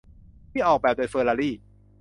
ที่ออกแบบโดยเฟอรารี่